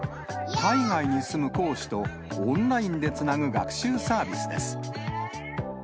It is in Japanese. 海外に住む講師とオンラインでつなぐ学習サービスです。